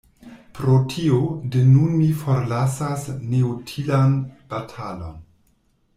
Pro tio, de nun mi forlasas neutilan batalon.